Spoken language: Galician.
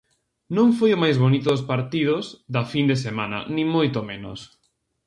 Non foi o máis bonito dos partidos da fin de semana, nin moito menos.